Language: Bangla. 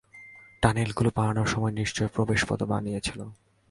টানেলগুলো বানানোর সময় নিশ্চয়ই প্রবেশপথও বানিয়েছিল।